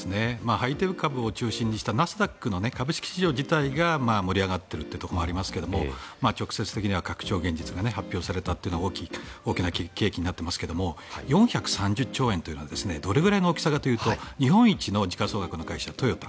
ハイテク株を中心としたナスダックの株式市場自体が盛り上がっているというところもありますが直接的には拡張現実が発表されたのは大きな契機になっていますが４３０兆円というのはどれくらいの大きさかというと日本一の時価総額の会社トヨタ。